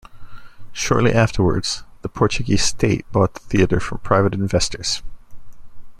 Shortly afterwards, the Portuguese state bought the theatre from private investors.